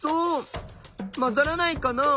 まざらないかな？